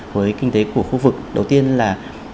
với kinh tế của khu vực đầu tiên là